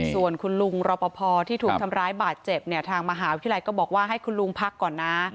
ส่วนคุณลุงรอปภที่ถูกทำร้ายบาดเจ็บเนี่ยทางมหาวิทยาลัยก็บอกว่าให้คุณลุงพักก่อนนะ